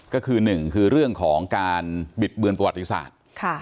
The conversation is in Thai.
ก็คือหนึ่งคือเรื่องของการบิดเบือนประวัติศาสตร์